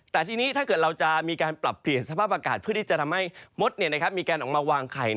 แต่ทีนี้ถ้าเกิดเราจะมีการปรับเปลี่ยนสภาพอากาศเพื่อที่จะทำให้มดมีการออกมาวางไข่